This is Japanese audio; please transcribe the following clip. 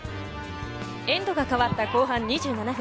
エンドが変わった後半２７分。